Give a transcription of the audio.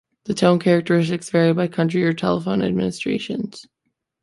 The tone characteristics vary by country or telephone administrations.